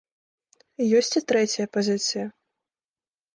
Ёсць і трэцяя пазіцыя.